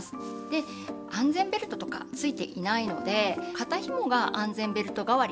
で安全ベルトとかついていないので肩ひもが安全ベルト代わりになるんですね。